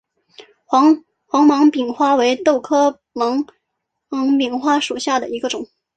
黄芒柄花为豆科芒柄花属下的一个种。